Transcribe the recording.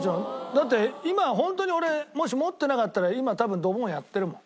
だって今ホントに俺もし持ってなかったら今多分ドボンやってるもん。